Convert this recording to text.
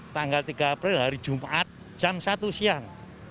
tanggal tiga april hari jumat jam satu siang